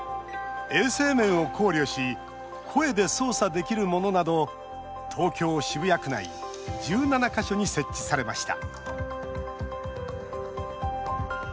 衛生面を考慮し声で操作できるものなど東京・渋谷区内１７か所に設置されました。